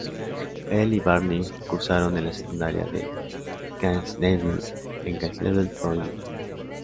Él y Bernie cursaron en la secundaria de Gainesville en Gainesville, Florida.